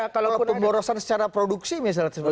kalau pemborosan secara produksi misalnya